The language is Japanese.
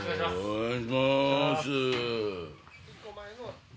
・お願いします。